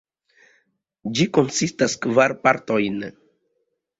Ĝi konsistas kvar partojn.